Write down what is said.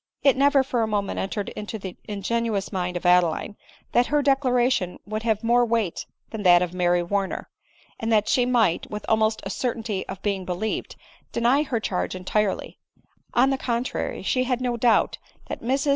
* It never for a moment entered into the ingenuous mind of Adeline, that her declaration would have more weight than that of Mary Warner ; and that she might, with almost a certainty of being believed, deny her charge entirely ; on the contrary, she had no doubt but that Mis.